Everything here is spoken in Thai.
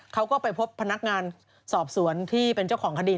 เขาก็ไปพบพนักงานสอบสวนที่เป็นเจ้าของคดี